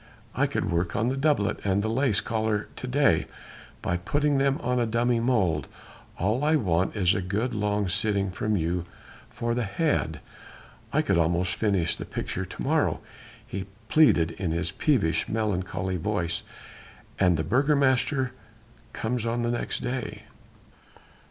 I could work on the doublet and the lace collar to day, by putting them on a dummy model.... All I want is a good long sitting from you for the head.... I could almost finish the picture to morrow," he pleaded in his peevish, melancholy voice, "and the Burgomaster comes on the next day."